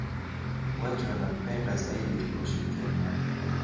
wengi wanampenda zaidi kwa ushirikiano wake